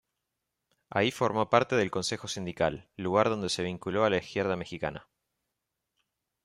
Ahí formó parte del Consejo Sindical, lugar donde se vinculó a la izquierda mexicana.